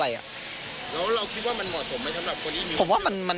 แล้วเราคิดว่ามันเหมาะสมไหมสำหรับคนอีก